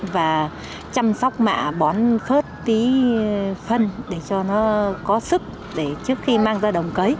và chăm sóc mạ bón khớt tí phân để cho nó có sức để trước khi mang ra đồng cấy